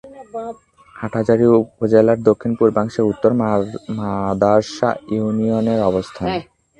হাটহাজারী উপজেলার দক্ষিণ-পূর্বাংশে উত্তর মাদার্শা ইউনিয়নের অবস্থান।